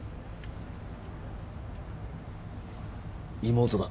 妹だ。